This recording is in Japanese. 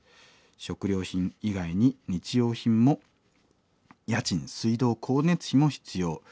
食料品以外に日用品も家賃水道光熱費も必要。